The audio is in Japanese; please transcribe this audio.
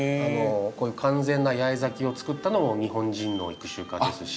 こういう完全な八重咲きを作ったのも日本人の育種家ですし。